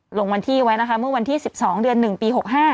ลงวันที่ไว้นะคะเมื่อวันที่๑๒เดือน๑ปี๖๕